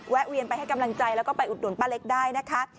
แวนไปให้กำลังใจแล้วก็ไปอุดหนุนป้าเล็กได้นะคะ